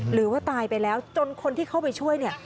หรือว่าตายไปแล้วจนคนที่เข้าไปช่วยเนี่ย